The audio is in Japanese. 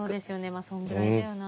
まあそんぐらいだよな。